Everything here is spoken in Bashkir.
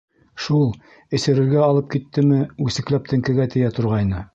Шул, эсерергә алып киттеңме, үсекләп теңкәгә тейә торғайны.